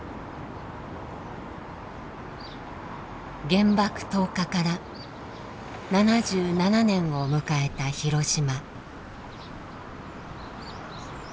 原爆投下から７７年を迎えた広島。